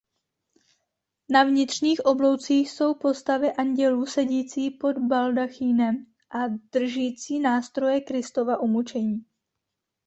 Na vnitřních obloucích jsou postavy andělů sedící pod baldachýnem a držící nástroje Kristova umučení.